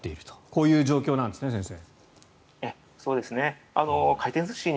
こういう状況なんですね先生。